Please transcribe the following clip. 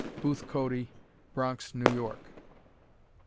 Booth Cody, Bronx, New York.